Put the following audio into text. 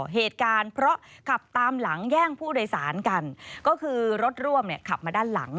เหตุการณ์เพราะขับตามหลังแย่งผู้โดยสารกันก็คือรถร่วมเนี่ยขับมาด้านหลัง